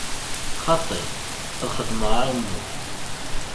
Xaṭi, ad xedmeɣ aɛummu.